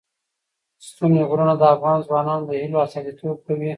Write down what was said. ستوني غرونه د افغان ځوانانو د هیلو استازیتوب کوي.